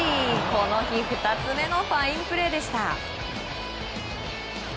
この日、２つ目のファインプレーでした。